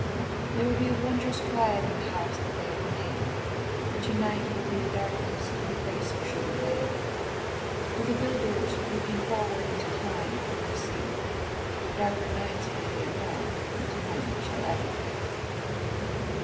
|76| There will be a wondrous quiet in the house that they have made. And to night will be a darkness in the place where she'll be laid; But the builders, looking forward into time, could only see Darker nights for Leonora than to night shall ever be.